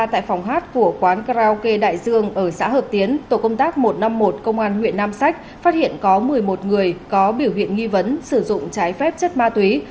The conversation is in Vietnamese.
tại phòng hát của quán karaoke đại dương ở xã hợp tiến tổ công tác một trăm năm mươi một công an huyện nam sách phát hiện có một mươi một người có biểu hiện nghi vấn sử dụng trái phép chất ma túy